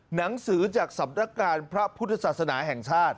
หนังสือจากสำนักการณ์พระพุทธศาสนาแห่งชาติ